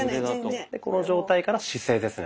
この状態から姿勢ですね